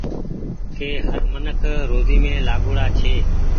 ڪي هر منک روزي مين لآگوڙآ هووي۔